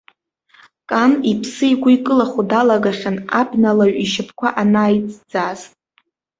Кан иԥсы игәы икылахо далагахьан, абналаҩ ишьапқәа анааиҵӡааз.